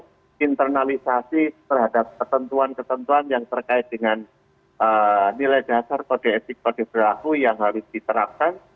ada internalisasi terhadap ketentuan ketentuan yang terkait dengan nilai dasar kode etik kode berlaku yang harus diterapkan